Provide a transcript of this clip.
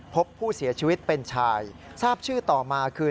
พบผู้เสียชีวิตเป็นชายทราบชื่อต่อมาคือ